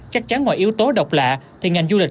chắc chắn ngoài yếu tố độc lạ thì ngành du lịch